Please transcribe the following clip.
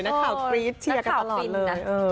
นักข่าวกรี๊ดเชียร์กันต่อปีเลยนะ